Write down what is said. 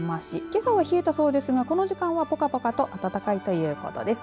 けさは冷えたそうですがこの時間は、ぽかぽかと暖かいということです。